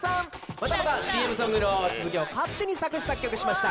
またまたＣＭソングの続きを勝手に作詞作曲しました